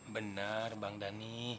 benar bang dhani